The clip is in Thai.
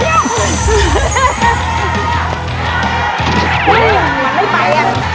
โอ้โฮมันไม่ไปอ่ะ